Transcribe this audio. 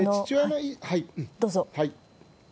どうぞ。